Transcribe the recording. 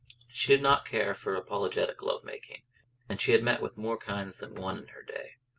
She did not care for apologetic love making, and she had met with more kinds than one in her day.